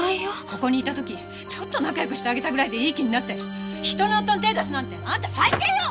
ここにいた時ちょっと仲良くしてあげたぐらいでいい気になって人の夫に手出すなんてあんた最低よ！